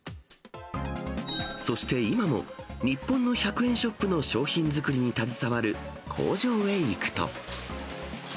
そして今も、日本の１００円ショップの商品作りに携わる工場へ行くと。